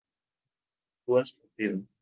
tú has partido